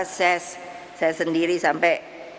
ases saya sendiri sampai